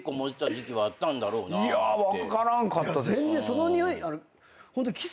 いや分からんかったです。